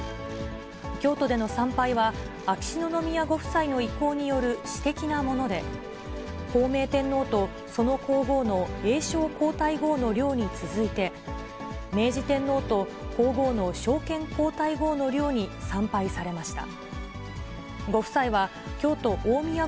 京都での参拝は、秋篠宮ご夫妻の意向による私的なもので、孝明天皇とその皇后の英照皇太后の陵に続いて、明治天皇と皇后の昭憲皇太后のりょうに参拝されました。